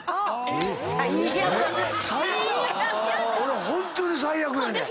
俺ホントに最悪やねん。